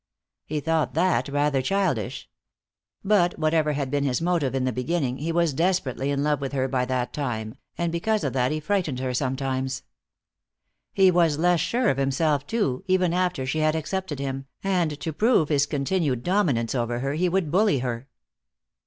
He thought that rather childish. But whatever had been his motive in the beginning, he was desperately in love with her by that time, and because of that he frightened her sometimes. He was less sure of himself, too, even after she had accepted him, and to prove his continued dominance over her he would bully her.